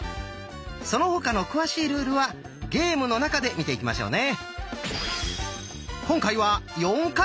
その他の詳しいルールはゲームの中で見ていきましょうね！